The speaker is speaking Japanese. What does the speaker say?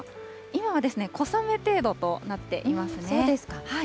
今は小雨程度となっていますね。